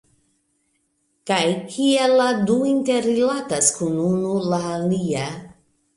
Kaj kiel la du interrilatas kun unu la alia